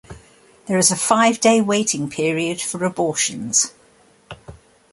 There is a five-day waiting period for abortions.